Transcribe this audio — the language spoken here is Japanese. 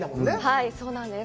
はい、そうなんです。